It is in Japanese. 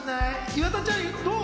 岩田ちゃん、どう？